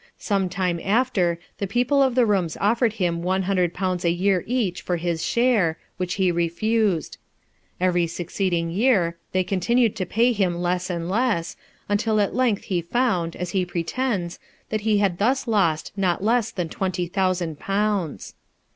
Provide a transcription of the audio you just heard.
Some time after the people of the rooms offered him one hundred pounds a year each for his share, which he refused ; every LIFE OF RICHARD NASH. 65 succeeding year they continued to pay him less and less, until at length he found, as he pretends, that he had thus lost not less than twenty thousand pounds.